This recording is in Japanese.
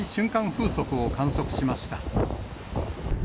風速を観測しました。